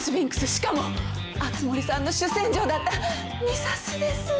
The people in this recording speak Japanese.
しかも熱護さんの主戦場だった２サスです。